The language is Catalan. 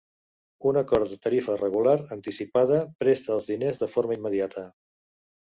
Un acord de tarifa regular anticipada presta els diners de forma immediata.